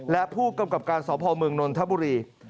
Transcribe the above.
และผู้กำกับการสอบพมนนทบุรี